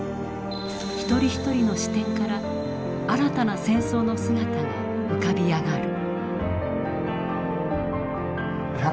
ひとりひとりの視点から新たな戦争の姿が浮かび上がる。